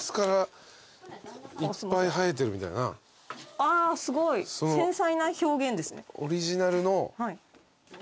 あすごい繊細な表現ですね。